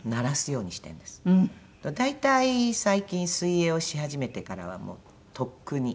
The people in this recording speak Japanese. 大体最近水泳をし始めてからはもうとっくに。